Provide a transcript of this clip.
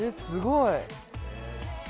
すごい。